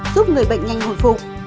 để nhanh hồi phục